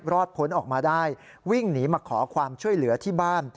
รอดพ้นออกมาได้วิ่งหนีมาขอความช่วยเหลือที่บ้าน